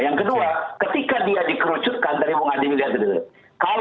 yang kedua ketika dia dikerucutkan tadi bung adi lihat dulu